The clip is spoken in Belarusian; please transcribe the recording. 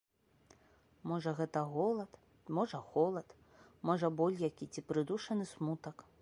Можа гэта голад, можа холад, можа боль які ці прыдушаны смутак.